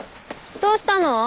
どうしたの？